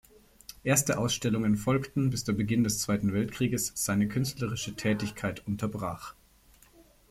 Erste Ausstellungen folgten, bis der Beginn des Zweiten Weltkrieges seine künstlerische Tätigkeit unterbrach.